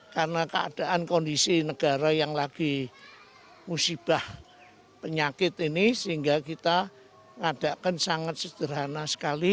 karena keadaan kondisi negara yang lagi musibah penyakit ini sehingga kita mengadakan sangat sederhana sekali